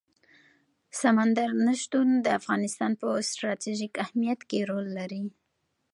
سمندر نه شتون د افغانستان په ستراتیژیک اهمیت کې رول لري.